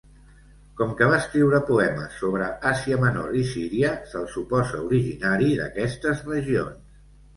Com que va escriure poemes sobre Àsia Menor i Síria se'l suposa originari d'aquestes regions.